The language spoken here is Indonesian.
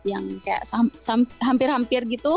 yang kayak hampir hampir gitu